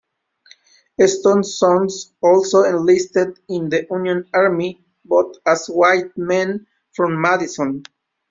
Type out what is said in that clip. Eston's sons also enlisted in the Union Army, both as white men from Madison.